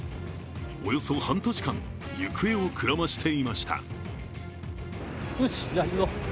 およそ半年間、行方をくらましていました。